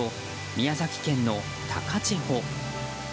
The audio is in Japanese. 宮崎県の高千穂。